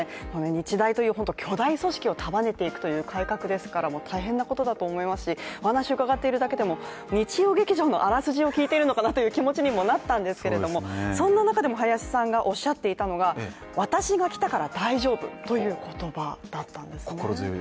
日大という巨大組織を束ねていくという改革ですから大変なことだと思いますし、お話伺ってるだけでも日曜劇場のあらすじを聞いているのかなという気持ちにもなったんですけどもそんな中でも林さんがおっしゃっていたのは「私が来たから大丈夫」という言葉だったんですね。